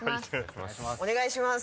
お願いします